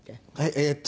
えーっと。